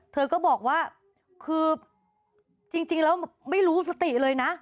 เธอก็บอกว่าคือจริงแล้วไม่รู้สติเลยนะ